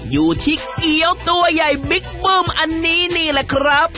อยู่ที่เกี๊ยวตัวใหญ่บิ๊กปึ้มอันนี้นี่แหละครับ